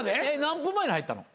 何分前に入ったの？